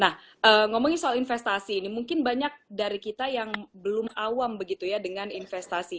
nah ngomongin soal investasi ini mungkin banyak dari kita yang belum awam begitu ya dengan investasi